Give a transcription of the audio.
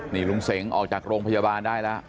นี่ลุงเสงออกจากโรงพยาบาลได้แล้ว